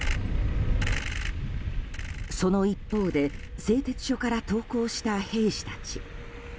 その一方で製鉄所から投降した兵士たち。